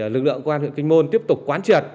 lực lượng quân huyện kinh môn tiếp tục quán triệt